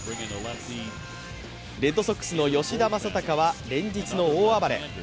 レッドソックスの吉田正尚は連日の大暴れ。